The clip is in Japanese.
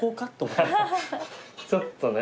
ちょっとね